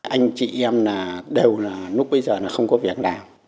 anh chị em đều lúc bây giờ không có việc nào